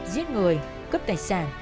giết người cướp tài sản